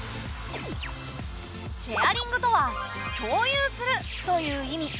シェアリングとは「共有する」という意味。